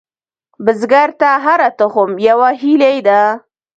بزګر ته هره تخم یوه هیلې ده